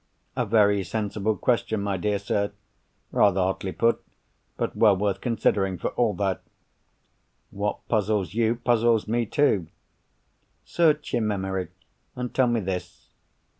"A very sensible question, my dear sir. Rather hotly put—but well worth considering for all that. What puzzles you, puzzles me too. Search your memory, and tell me this.